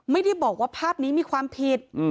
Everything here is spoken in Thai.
ไม่ได้บอกว่าภาพนี้มีความผิด